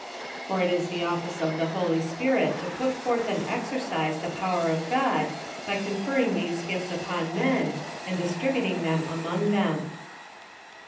For it is the oflice of the Holy Spirit to put forth and exercise the power of God by con ferring these gifts upon men, and distributing them among them.